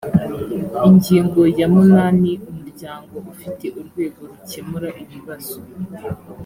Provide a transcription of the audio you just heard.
ingingo ya munani umuryango ufite urwego rukemura ibibazo